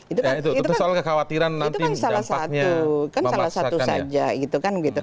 itu kan salah satu kan salah satu saja